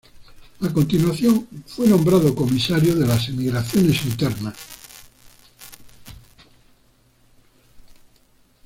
A continuación fue nombrado comisario de las emigraciones internas.